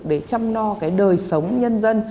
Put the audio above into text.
để chăm lo cái đời sống nhân dân